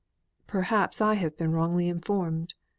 "Perhaps I have been wrongly informed.